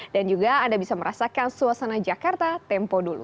juga anda bisa merasakan suasana jakarta tempo dulu